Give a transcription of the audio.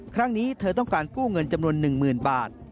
ครั้งนี้เธอต้องการกู้เงินจำนวน๑๐๐๐บาท